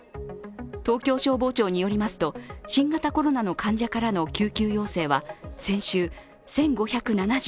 東京消防庁によりますと、新型コロナの患者からの救急要請は先週、１５７７件。